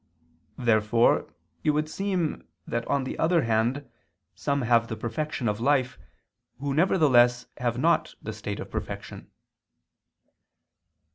Therefore it would seem that on the other hand some have the perfection of life, who nevertheless have not the state of perfection.